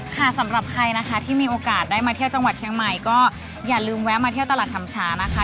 สำหรับใครนะคะที่มีโอกาสได้มาเที่ยวจังหวัดเชียงใหม่ก็อย่าลืมแวะมาเที่ยวตลาดชำชานะคะ